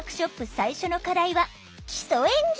最初の課題は「基礎演技」。